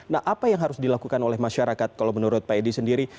nah apa yang harus dilakukan oleh masyarakat kalau menurut pak edi sendiri